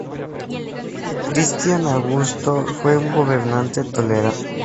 Cristián Augusto fue un gobernante tolerante.